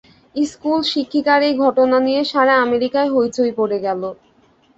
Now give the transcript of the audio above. School শিক্ষিকার এই ঘটনা নিয়ে সারা আমেরিকায় হৈচৈ পড়ে গেল।